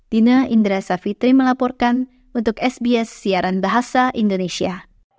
dina indra savitri melaporkan untuk sbs siaran bahasa indonesia